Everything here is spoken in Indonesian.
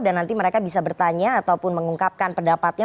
dan nanti mereka bisa bertanya ataupun mengungkapkan pendapatnya